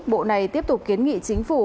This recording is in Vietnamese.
bộ này tiếp tục kiến nghị chính phủ